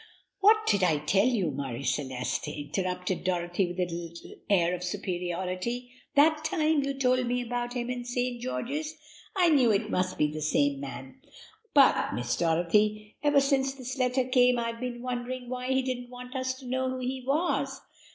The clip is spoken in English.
"What did I tell you, Marie Celeste," interrupted Dorothy with a little air of superiority, "that time you told me about him in St. George's? I knew it must be the same man." "But, Miss Dorothy, ever since this letter came I've been wondering why he didn't want us to know who he was."